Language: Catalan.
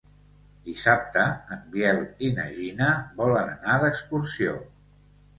Dissabte en Biel i na Gina volen anar d'excursió.